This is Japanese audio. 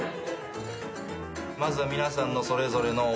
まずは皆さんのそれぞれの思う